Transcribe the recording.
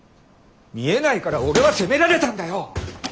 見えないから俺は責められたんだよ！